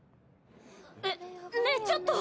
えっねえちょっと！